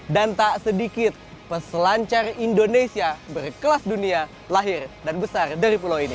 dan tak sedikit peselancar indonesia berkelas dunia lahir dan besar dari pulau ini